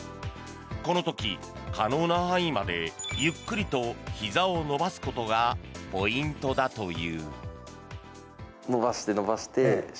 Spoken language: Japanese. この時、可能な範囲までゆっくりとひざを伸ばすことがポイントだという。